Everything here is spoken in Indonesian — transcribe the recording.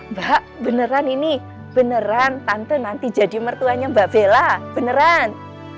mbak beneran ini beneran tante nanti jadi mertuanya mbak bella beneran